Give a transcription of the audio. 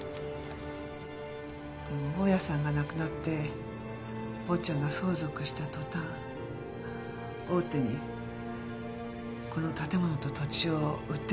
でも大家さんが亡くなって坊ちゃんが相続した途端大手にこの建物と土地を売ってしまって。